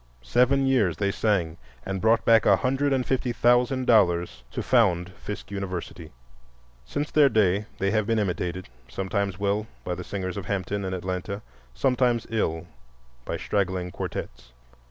Seven years they sang, and brought back a hundred and fifty thousand dollars to found Fisk University. Since their day they have been imitated—sometimes well, by the singers of Hampton and Atlanta, sometimes ill, by straggling quartettes.